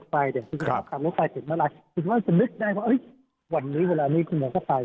คุณสุภาพขับรถไปเห็นมาแล้วคุณสุภาพจะนึกได้ว่าเอ้ยวันนี้เวลานี้คุณหมอจะไป